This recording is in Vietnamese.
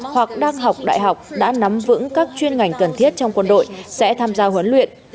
hoặc đang học đại học đã nắm vững các chuyên ngành cần thiết trong quân đội sẽ tham gia huấn luyện